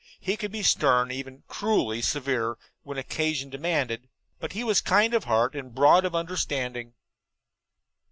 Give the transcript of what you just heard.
He could be stern, even cruelly severe, when occasion demanded, but he was kind of heart and broad of understanding.